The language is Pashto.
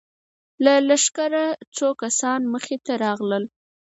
له لښکره څو کسان مخې ته راغلل.